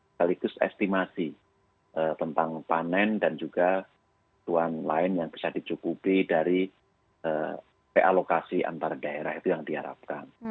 sekaligus estimasi tentang panen dan juga kebutuhan lain yang bisa dicukupi dari realokasi antar daerah itu yang diharapkan